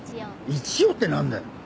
一応って何だよ。